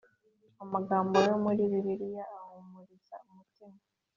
Amagambo yo muri bibiliya ahumuriza umutima